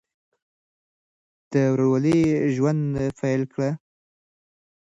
د ورورولۍ ژوند پیل کړئ.